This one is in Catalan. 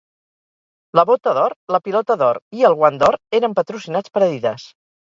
La bota d'or, la pilota d'or i el guant d'or eren patrocinats per Adidas.